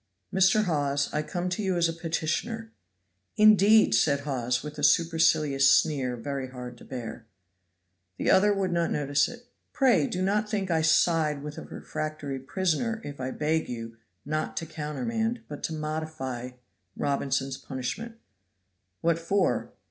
"Mr. Hawes, I come to you as a petitioner." "Indeed!" said Hawes, with a supercilious sneer very hard to bear. The other would not notice it. "Pray, do not think I side with a refractory prisoner if I beg you, not to countermand, but to modify Robinson's punishment." "What for?"